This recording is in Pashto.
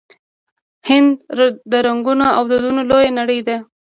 هند د رنګونو او دودونو لویه نړۍ ده.